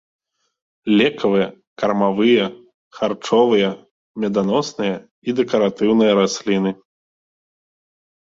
Лекавыя, кармавыя, харчовыя, меданосныя і дэкаратыўныя расліны.